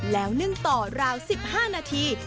แล้วนึ่งต่อราว๑๕นาที